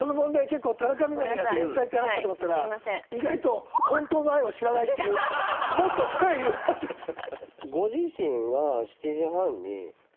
結構田中みな実が繊細って話かと思ったら意外と本当の愛を知らないっていうもっと深い理由になっちゃった。